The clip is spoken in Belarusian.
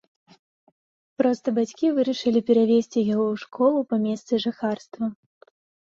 Проста бацькі вырашылі перавесці яго ў школу па месцы жыхарства.